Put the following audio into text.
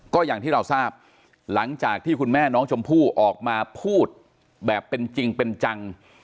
ก็อย่างที่เราทราบหลังจากที่คุณแม่น้องชมพู่ออกมาพูดแบบเป็นจริงเป็นจัง